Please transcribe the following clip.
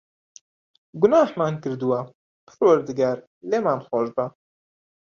گوناحمان کردووە، پەروەردگار، لێمان خۆشبە.